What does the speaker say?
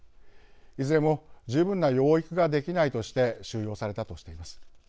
いずれも十分な養育ができないとして収容されたとしています。